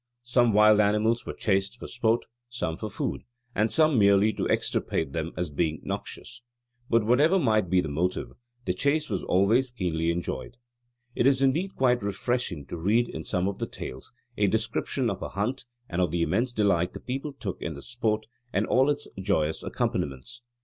Some wild animals were chased for sport, some for food, and some merely to extirpate them as being noxious; but whatever might be the motive, the chase was always keenly enjoyed. It is indeed quite refreshing to read in some of the tales a description of a hunt and of the immense delight the people took in the sport and all its joyous accompaniments.